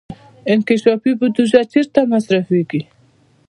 انکشافي بودجه چیرته مصرفیږي؟